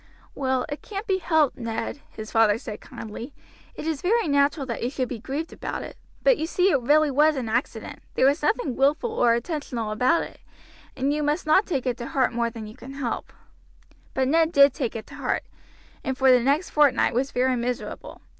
"Well, it can't be helped, Ned," his father said kindly. "It is very natural that you should be grieved about it; but you see it really was an accident; there was nothing willful or intentional about it, and you must not take it to heart more than you can help." But Ned did take it to heart, and for the next fortnight was very miserable.